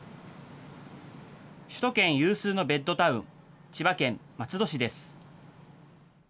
首都圏有数のベッドタウン、千葉県松戸市です。